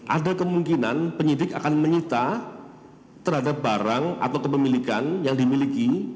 ada kemungkinan penyidik akan menyita terhadap barang atau kepemilikan yang dimiliki